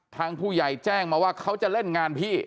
ทางผู้ใหญ่แจ้งมาว่าเขาจะเล่นงานพี่